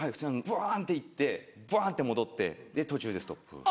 バンっていってバンって戻って途中でストップ。